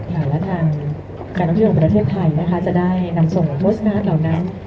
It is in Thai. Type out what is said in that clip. ภายละทางการพิธีของประเทศไทยนะคะจะได้นำส่งโปสต์นาฏเหล่านั้น